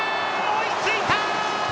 追いついた！